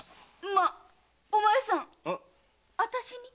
まあお前さん！あたしに？